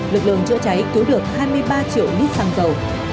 lực lượng chữa cháy cứu được hai mươi ba triệu lít xăng dầu